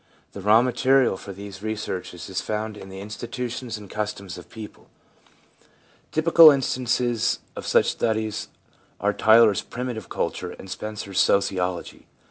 The raw material for these researches is found in the institutions and customs 4 THE PSYCHOLOGY OF RELIGION of peoples. Typical instances of such studies are Tylor's Primitive Culture and Spencer's Sociology.